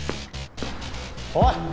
おい！